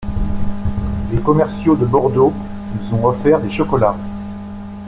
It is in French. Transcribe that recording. Les commerciaux de Bordeaux nous ont offert des chocolats.